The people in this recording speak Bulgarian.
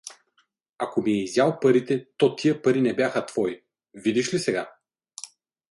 -Ако ми е изял парите, то тия пари не бяха твои… Видиш ли сега?